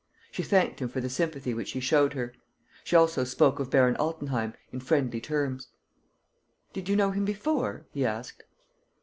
She thanked him for the sympathy which he showed her. She also spoke of Baron Altenheim, in friendly terms. "Did you know him before?" he asked.